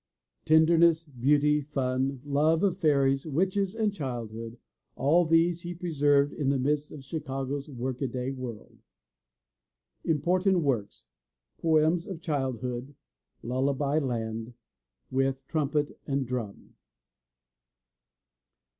'* Tenderness, beauty, fun, love of fairies, witches and childhood, — all these he preserved in the midst of Chicago's work a day world. Important Works: Poems of Childhood. Lullaby Land. With Trumpet and Drum.